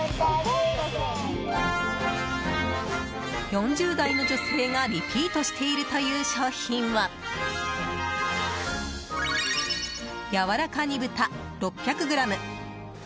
４０代の女性がリピートしているという商品はやわらか煮豚６００ｇ。